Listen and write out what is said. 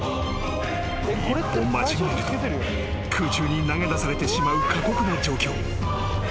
［一歩間違えると空中に投げ出されてしまう過酷な状況］